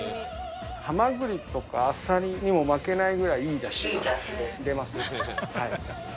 ハマグリとかアサリにも負けないぐらいいいダシが出ます。